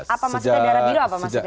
apa maksudnya darah biru